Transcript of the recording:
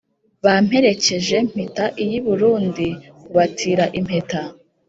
Bamperekeje, Mpita iy’i Burundi kubatira impeta